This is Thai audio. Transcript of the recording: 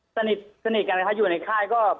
สนิทกันนะคะอยู่ในค่ายก็